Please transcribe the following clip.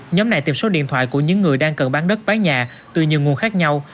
nhóm này tìm số điện thoại của những người đang cần bán đất bán nhà từ nhiều nguồn khác nhau